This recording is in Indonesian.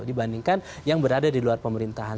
dibandingkan yang berada di luar pemerintahan